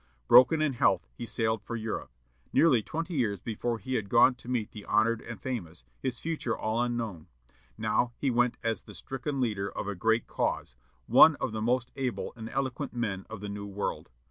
Broken in health, he sailed for Europe. Nearly twenty years before he had gone to meet the honored and famous, his future all unknown; now he went as the stricken leader of a great cause, one of the most able and eloquent men of the new world.